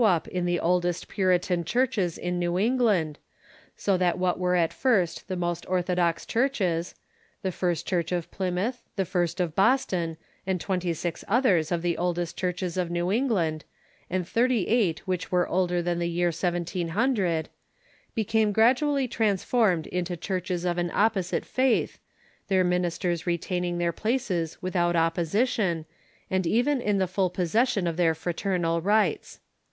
up in the oldest Puritan churches in New England, The Break o ? SO that what were at first the most orthodox churches — the First Church of Plymouth, the First of Boston, and twenty six others of the oldest churches of New England, and thirty eight which were older than the year 1700 — became gradually transformed into churches of an opposite faith, their ministers retaining their places without opposition, and even in the full possession of their fraternal rights.